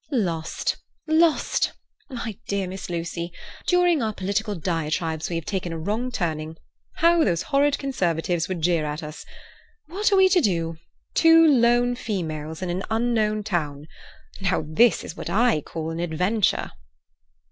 "Lost! lost! My dear Miss Lucy, during our political diatribes we have taken a wrong turning. How those horrid Conservatives would jeer at us! What are we to do? Two lone females in an unknown town. Now, this is what I call an adventure."